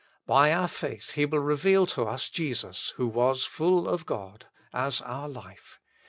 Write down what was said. By our faith He will reveal to us Jesus, who was full of God, as our life.